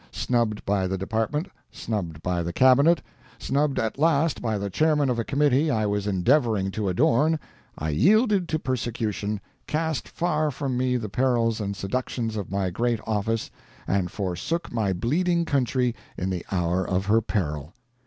Snubbed by the department, snubbed by the Cabinet, snubbed at last by the chairman of a committee I was endeavoring to adorn, I yielded to persecution, cast far from me the perils and seductions of my great office, and forsook my bleeding country in the hour of her peril.